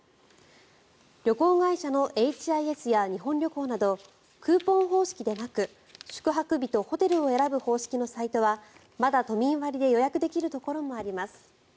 旅行会社のエイチ・アイ・エスや日本旅行などクーポン方式でなく宿泊日とホテルを選ぶ方式のサイトはまだ都民割で予約できるところもあります。